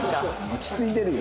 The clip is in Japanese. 落ち着いてるよ。